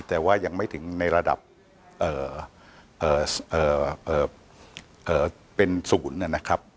แต่ว่ายังไม่ถึงในระดับเป็นศูนย์นะครับ